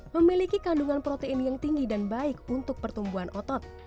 memiliki kandungan protein yang tinggi dan baik untuk pertumbuhan otot